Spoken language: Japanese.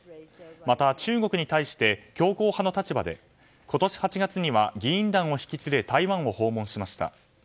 また中国に対して強硬派な立場で今年８月には議員団を引き連れ台湾を訪問しました。